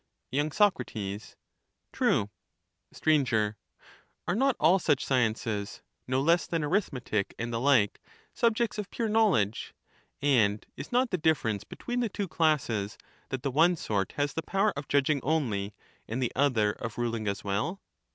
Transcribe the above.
y. Soc. True. SUr. Are not all such sciences, no less than arithmetic and the like, subjects of pure knowledge ; and is not the dif ference between the two classes, that the one sort has the f)ower of judging only, and the other of ruling as well